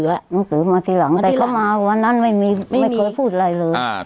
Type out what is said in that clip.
และหนังสือมาทีหลังแต่เขามาวันนั้นไม่เคยพูดอะไรเลย